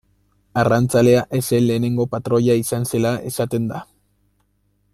Arrantzalea ez zen lehenengo patroia izan zela esaten da.